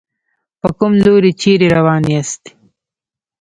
په کوم لوري چېرې روان ياستئ.